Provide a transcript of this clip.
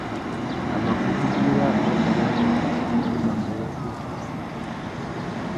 A mà kutu güira makana nguêndê rissú idjimamú udjï.